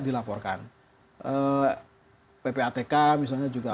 dilaporkan ppatk misalnya juga